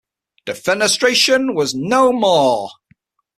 Defenestration was no more.